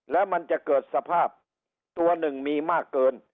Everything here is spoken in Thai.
แล้วมันจะเกิดสภาพตัวหนึ่งมีมากเกิน